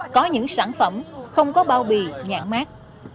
có những sản phẩm không có bao bì nhãn mát